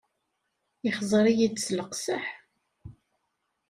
Ixẓer-iyi-d s leqseḥ.